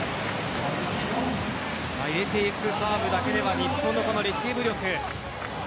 入れていくサーブだけでは日本のレシーブ力